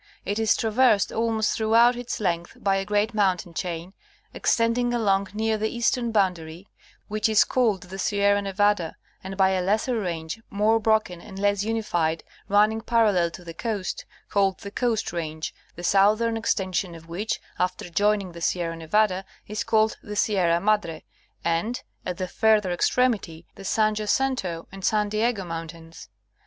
It is traversed almost throughout its length by a great mountain chain extending along near the eastern boundary, which is called the Sierra Nevada, and by a lesser range, more broken and less unified, running parallel to the coast, called the Coast Range, the south ern extension of which, after joining the Sierra Nevada, is called the Sierra Madre, and at the further extremity, the San Jacinto and San Diego mountains.